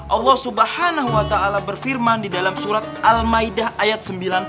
allah subhanahu wa ta'ala berfirman di dalam surat al ma'idah ayat sembilan puluh